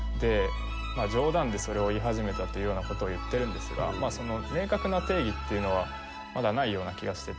冗談でそれを言い始めたというような事を言っているんですが明確な定義っていうのはまだないような気がしてて。